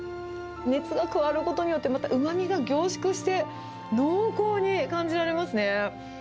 熱が加わることによって、またうまみが凝縮して、濃厚に感じられますね。